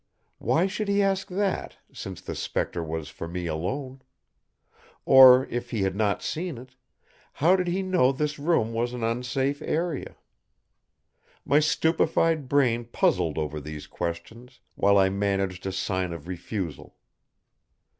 Why should he ask that, since the spectre was for me alone? Or if he had not seen It, how did he know this room was an unsafe area? My stupefied brain puzzled over these questions while I managed a sign of refusal.